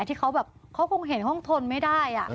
ที่เขาแบบเขาคงเห็นเขาทนไม่ได้